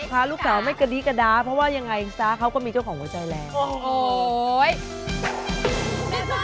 พาลูกสาวไม่กระดีกระดาฮเพราะว่ายังไงสตาร์ทเขาก็มีเจ้าของหัวใจแรง